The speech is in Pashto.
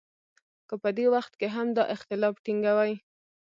که په دې وخت کې هم دا اختلاف ټینګوي.